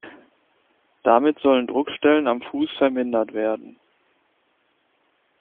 Damit sollen Druckstellen am Fuß vermindert werden.